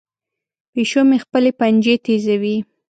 پیشو مې خپلې پنجې تیزوي.